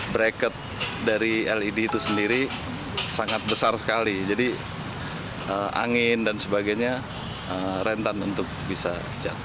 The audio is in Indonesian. bracket dari led itu sendiri sangat besar sekali jadi angin dan sebagainya rentan untuk bisa jatuh